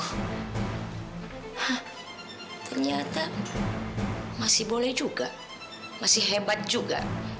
hah ternyata masih boleh juga masih hebat juga